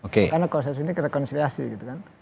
karena konsensus ini kerekonsiliasi gitu kan